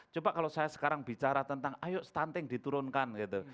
coba kalau saya sekarang bicara tentang ayo stunting diturunkan gitu